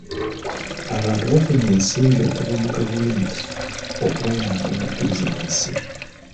Abantu bafunye ensimbi okuva mu gavumenti okubayamba mu bizinensi.